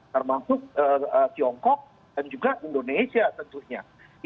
termasuk tiongkok dan juga indonesia tentunya